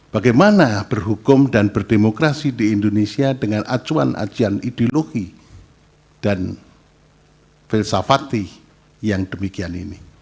bagaimana berhukum dan berdemokrasi di indonesia dengan acuan acuan ideologi dan filsafati yang demikian ini